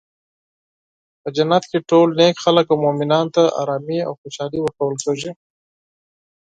په جنت کې ټول نیک خلک او مومنانو ته ارامي او خوشحالي ورکړل کیږي.